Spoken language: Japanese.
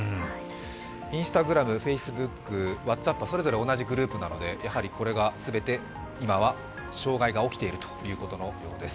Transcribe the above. Ｉｎｓｔａｇｒａｍ、Ｆａｃｅｂｏｏｋ、ワッツアップ、それぞれ同じグループなので今は障害が起きているということのようです。